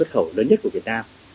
đối tác thương mại lớn nhất của việt nam